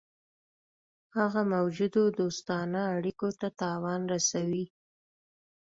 هغه موجودو دوستانه اړېکو ته تاوان رسوي.